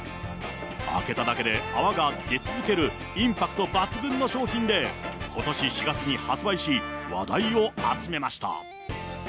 開けただけで泡が出続けるインパクト抜群の商品で、ことし４月に発売し、話題を集めました。